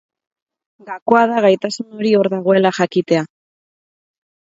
Gakoa da gaitasun hori hor dagoela jakitea.